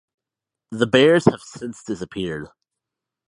The bears have since disappeared.